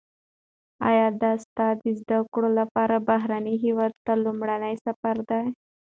ایا دا ستا د زده کړو لپاره بهرني هیواد ته لومړنی سفر دی؟